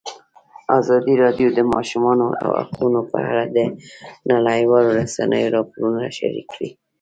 ازادي راډیو د د ماشومانو حقونه په اړه د نړیوالو رسنیو راپورونه شریک کړي.